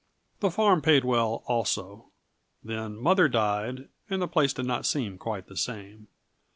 The farm paid well, also. Then mother died and the place did not seem quite the same.